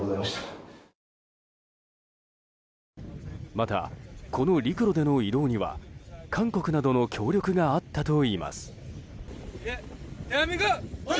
また、この陸路での移動には韓国などの協力があったといいます。